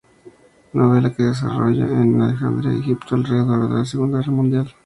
Novela que se desarrolla en Alejandría, Egipto, alrededor de la Segunda Guerra Mundial.